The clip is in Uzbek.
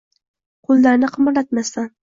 Qo‘llarini qimirlatmasdan